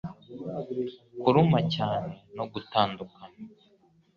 kuruma cyane no gutandukana